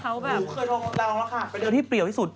ดูเคยทองดาวน์แล้วค่ะไปเดินที่เปรียวที่สุด